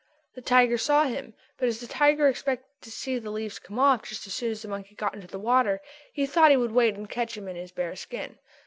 The tiger saw him, but as the tiger expected to see the leaves come off just as soon as the monkey got into the water, he thought he would wait and catch him in his bare skin.